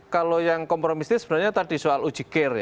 kalau yang kompromis ini sebenarnya tadi soal ujikir